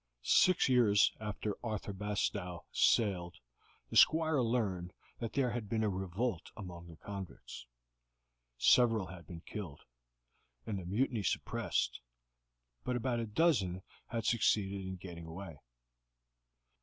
Six years after Arthur Bastow sailed the Squire learned that there had been a revolt among the convicts; several had been killed, and the mutiny suppressed, but about a dozen had succeeded in getting away.